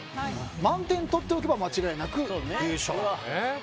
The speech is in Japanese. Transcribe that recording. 満点を取っておけば間違いなく優勝。